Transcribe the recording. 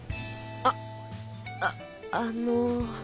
ああっあの。